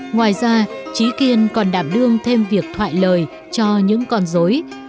ngoài ra trí kiên còn đảm đương thêm việc thoại lời cho những con dối